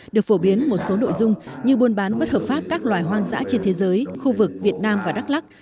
được phổ biến một số nội dung như buôn bán bất hợp pháp các loài hoang dã trên thế giới khu vực việt nam và đắk lắc